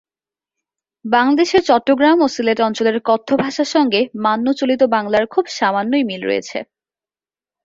বাংলাদেশের চট্টগ্রাম ও সিলেট অঞ্চলের কথ্য ভাষার সঙ্গে মান্য চলিত বাংলার খুব সামান্যই মিল রয়েছে।